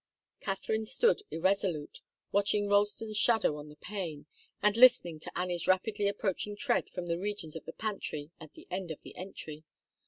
Katharine stood irresolute, watching Ralston's shadow on the pane, and listening to Annie's rapidly approaching tread from the regions of the pantry at the end of the entry.